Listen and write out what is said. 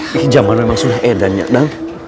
di jaman memang sudah edan ya